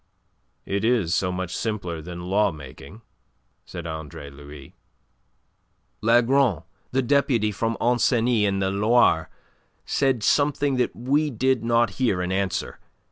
'" "It is so much simpler than lawmaking," said Andre Louis. "Lagron, the deputy from Ancenis in the Loire, said something that we did not hear in answer.